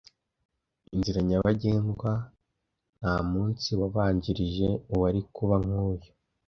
Inzira nyabagendwa. Ntamunsi wabanjirije uwari kuba nkuyu.